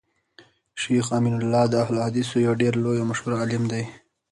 شيخ امین الله د اهل الحديثو يو ډير لوی او مشهور عالم دی